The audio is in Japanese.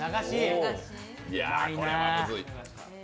いやこれはむずい。